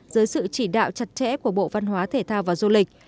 dưới sự chỉ đạo chặt chẽ của bộ văn hóa thể thao và du lịch